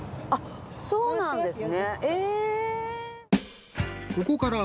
ああそうなんですか！